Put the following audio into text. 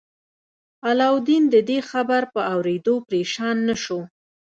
علاوالدین د دې خبر په اوریدو پریشان نه شو.